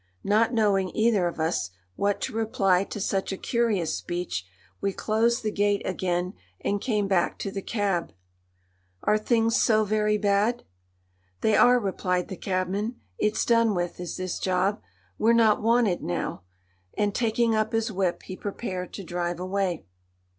Not knowing, either of us, what to reply to such a curious speech, we closed the gate again and came back to the cab. "Are things so very bad?" "They are," replied the cabman. "It's done with—is this job. We're not wanted now." And, taking up his whip, he prepared to drive away.